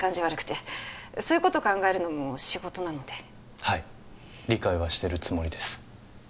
悪くてそういうこと考えるのも仕事なのではい理解はしてるつもりです